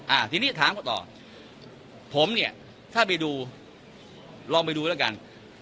อ่าทีนี้ถามเขาต่อ